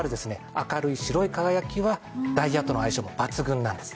明るい白い輝きはダイヤとの相性も抜群なんです。